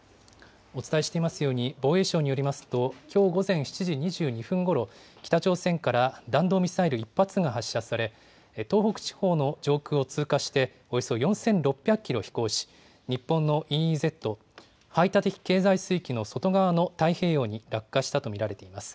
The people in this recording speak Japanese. お伝えしていますように、防衛省によりますと、きょう午前７時２２分ごろ、北朝鮮から弾道ミサイル１発が発射され、東北地方の上空を通過して、およそ４６００キロ飛行し、日本のＥＥＺ・排他的経済水域の外側の太平洋に落下したと見られています。